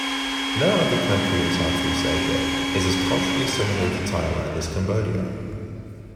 No other country in Southeast Asia is as culturally similar to Thailand as Cambodia.